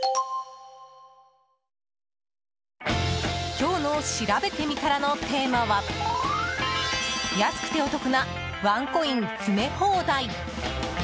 今日のしらべてみたらのテーマは安くてお得なワンコイン詰め放題。